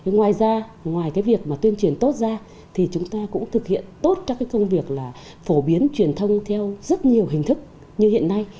ngoài ra ngoài việc tuyên truyền tốt ra thì chúng ta cũng thực hiện tốt các công việc là phổ biến truyền thông theo rất nhiều hình thức như hiện nay